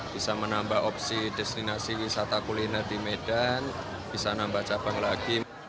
bisa menambah opsi destinasi wisata kuliner di medan bisa nambah cabang lagi